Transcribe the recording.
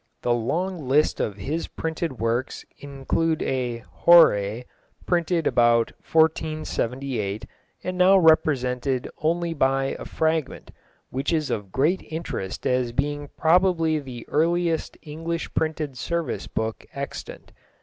The long list of his printed works includes a Horæ, printed about 1478, and now represented only by a fragment, which is of great interest as being probably the earliest English printed service book extant.